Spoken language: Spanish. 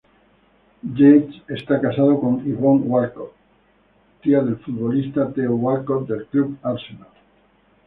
Yates está casado con Yvonne Walcott, tía del futbolista Theo Walcott del club Arsenal.